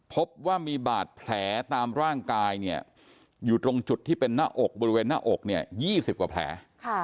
พบว่ามีบาดแผลตามร่างกายเนี่ยอยู่ตรงจุดที่เป็นหน้าอกบริเวณหน้าอก๒๐กว่าแผล